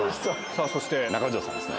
そして中条さんですね。